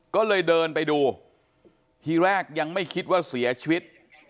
ก็เลยเดินไปดูทีแรกยังไม่คิดว่าเสียชีวิต